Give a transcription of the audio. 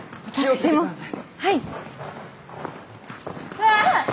うわ。